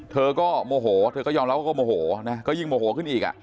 เธอก็โมโหเธอก็ยอมรับว่าก็โมโหนะก็ยิ่งโมโหขึ้นอีกอ่ะ